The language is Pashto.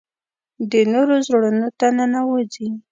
د نورو زړونو ته ننوځي .